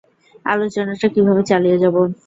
আলোচনাটা কীভাবে চালিয়ে যাব?